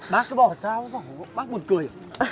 bác cứ bỏ ra bác buồn cười